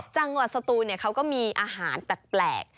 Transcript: จังหวัดสตูนเขาก็มีอาหารแปลก